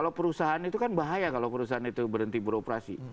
kalau perusahaan itu kan bahaya kalau perusahaan itu berhenti beroperasi